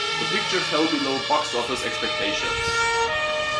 The picture fell below box-office expectations.